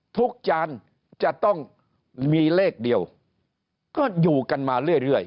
จานจะต้องมีเลขเดียวก็อยู่กันมาเรื่อย